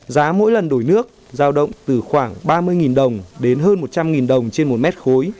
giá mỗi lần đổi nước giao động từ khoảng ba mươi đồng đến hơn một trăm linh đồng trên một mét khối